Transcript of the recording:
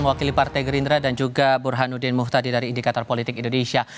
wakili partai gerindra dan juga burhanuddin muhtadi dari indikator politik indonesia